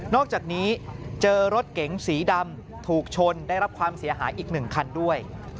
อกจากนี้เจอรถเก๋งสีดำถูกชนได้รับความเสียหายอีก๑คันด้วย